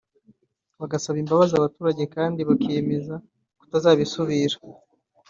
bagasaba imbabazi abaturage kandi bakiyemeza kutazabisubira